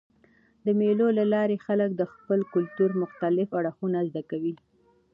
د مېلو له لاري خلک د خپل کلتور مختلف اړخونه زده کوي.